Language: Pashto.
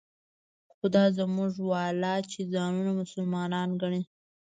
خو دا زموږ والا چې ځانونه مسلمانان ګڼي.